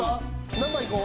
何番いこう？